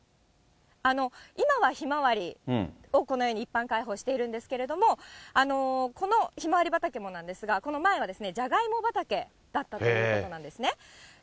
今はひまわりをこのように一般開放しているんですけれども、このひまわり畑もなんですが、この前はですね、じゃがいも畑だったということなんですね。